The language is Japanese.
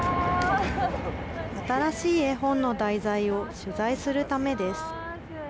新しい絵本の題材を取材するためです。